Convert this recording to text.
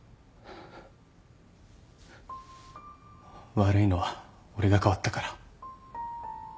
悪いのは俺が変わったから。